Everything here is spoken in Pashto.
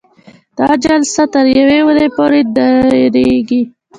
دا جلسه تر یوې اونۍ پورې دایریږي.